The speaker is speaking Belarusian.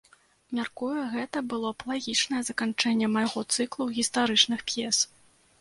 Мяркую, гэта было б лагічнае заканчэнне майго цыклу гістарычных п'ес.